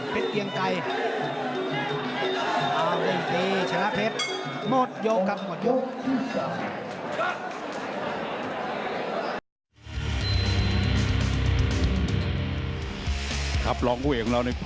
เพชรเกียงไกร